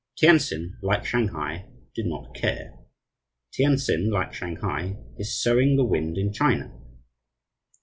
Tientsin, like Shanghai, did not care. Tientsin, like Shanghai, is sowing the wind in China.